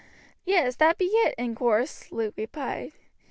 "Yes, that be it, in course," Luke replied.